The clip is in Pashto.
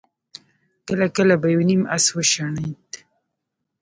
کله کله به يو نيم آس وشڼېد.